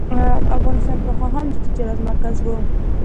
افغانستان پخوا هم د تجارت مرکز و.